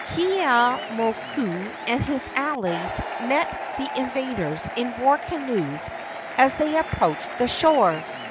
Keeaumoku and his allies met the invaders in war canoes as they approached the shore.